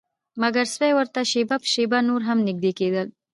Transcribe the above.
مګر سپي ورته شیبه په شیبه نور هم نږدې کیدل